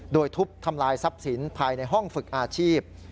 โดยทุบทำลายทรัพย์สินภายในห้องฝึกอาชีพ